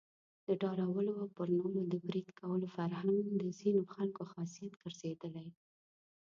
د ډارولو او پر نورو د بريد کولو فرهنګ د ځینو خلکو خاصيت ګرځېدلی.